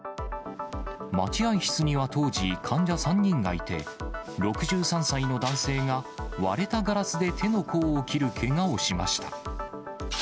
待合室には当時、患者３人がいて、６３歳の男性が割れたガラスで手の甲を切るけがをしました。